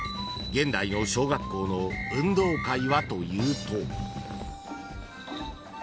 ［現代の小学校の運動会はというと］